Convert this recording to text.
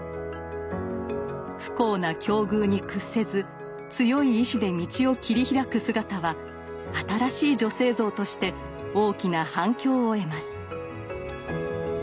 不幸な境遇に屈せず強い意志で道を切り開く姿は新しい女性像として大きな反響を得ます。